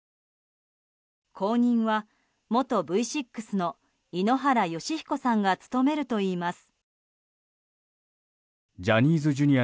後任は元Ｖ６の井ノ原快彦さんが務めるといいます。